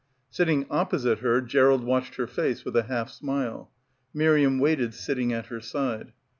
Sitting opposite her, Gerald watched her face with a half smile. Miriam waited sitting at her side.